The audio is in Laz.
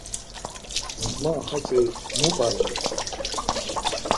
Ma hatzi mu p̌are yaaa…